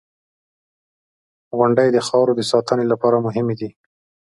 • غونډۍ د خاورو د ساتنې لپاره مهمې دي.